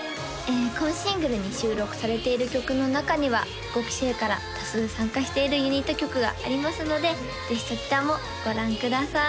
今シングルに収録されている曲の中には５期生から多数参加しているユニット曲がありますのでぜひそちらもご覧ください